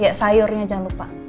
ya sayurnya jangan lupa